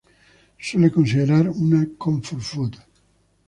Suele considerar una "comfort food".